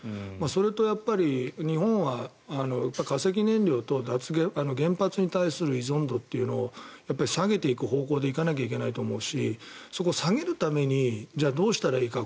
それと、日本は化石燃料と原発に対する依存度を下げていく方向で行かなきゃいけないと思うし下げるためにどうしたらいいか。